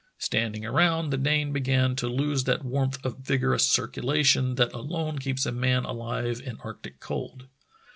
Standing around, the Dane began to lose that warmth of vigorous circulation that alone keeps a man alive in arctic cold.